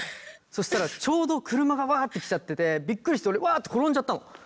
そしたらちょうど車がわって来ちゃっててびっくりして俺わって転んじゃったの。